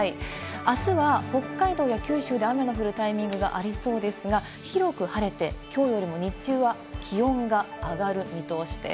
明日は北海道や九州で雨の降るタイミングがありそうですが広く晴れて今日よりも日中は気温が上がる見通しです。